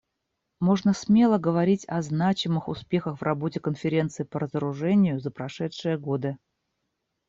Можно смело говорить о значимых успехах в работе Конференции по разоружению за прошедшие годы.